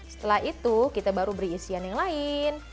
setelah itu kita baru beri isian yang lain